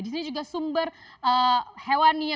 di sini juga sumber hewannya